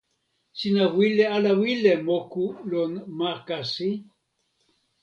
sina wile ala wile moku lon ma kasi?